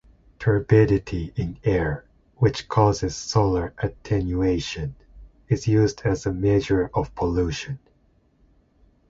Turbidity in air, which causes solar attenuation, is used as a measure of pollution.